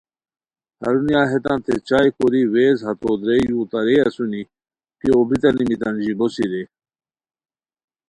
ہرونیہ ہیتانتے چائے کوری ویز ہتو درے یو تارے اسونی، کی اوبریتانی میتان ژیبوسی رے